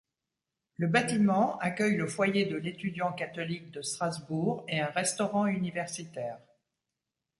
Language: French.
Le bâtiment accueille le foyer de l'étudiant catholique de Strasbourg et un restaurant universitaire.